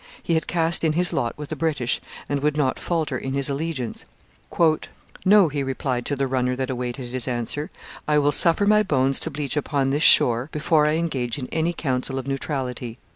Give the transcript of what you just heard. He had cast in his lot with the British and would not falter in his allegiance. 'No,' he replied to the runner that awaited his answer; 'I will suffer my bones to bleach upon this shore before I engage in any council of neutrality.'